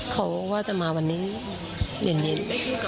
เขาว่าจะมาวันนี้เย็น